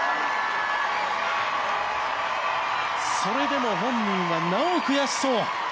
それでも本人はなお悔しそう。